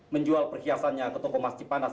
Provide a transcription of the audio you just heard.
menjual perhiasannya ke toko mas cipanas